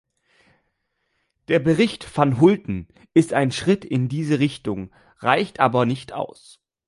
Der Bericht van Hulten ist ein Schritt in diese Richtung, reicht aber nicht aus.